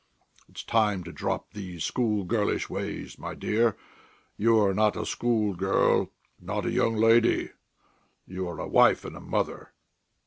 It's time to drop these schoolgirlish ways, my dear. You are not a schoolgirl, not a young lady; you are a wife and mother!